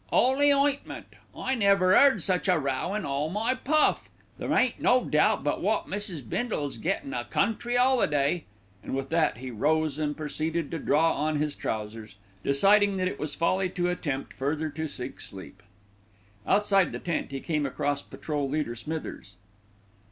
'Oly ointment! I never 'eard such a row in all my puff. There ain't no doubt but wot Mrs. Bindle's gettin' a country 'oliday," and with that he rose and proceeded to draw on his trousers, deciding that it was folly to attempt further to seek sleep. Outside the tent, he came across Patrol leader Smithers.